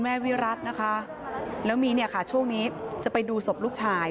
วิรัตินะคะแล้วมีเนี่ยค่ะช่วงนี้จะไปดูศพลูกชาย